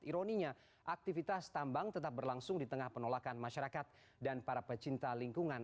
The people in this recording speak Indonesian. ironinya aktivitas tambang tetap berlangsung di tengah penolakan masyarakat dan para pecinta lingkungan